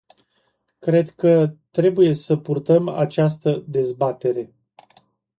Cred că trebuie să purtăm această dezbatere.